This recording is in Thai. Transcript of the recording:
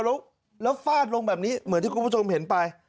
แล้วฟาดลงแบบนี้เหมือนที่คุณผู้ชมเห็นไป